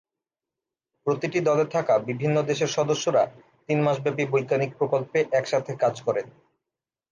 প্রতিটি দলে থাকা বিভিন্ন দেশের সদস্যরা তিন মাসব্যাপী বৈজ্ঞানিক প্রকল্পে একসাথে কাজ করেন।